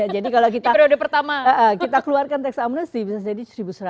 jadi kalau kita keluarkan tax amnesty bisa jadi rp satu seratus